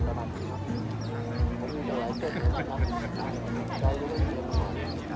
พี่พ่อกลับไปชะเทศนะพี่พ่อกลับไปชะเทศนะ